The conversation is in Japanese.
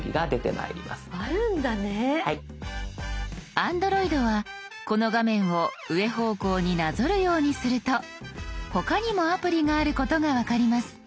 Ａｎｄｒｏｉｄはこの画面を上方向になぞるようにすると他にもアプリがあることが分かります。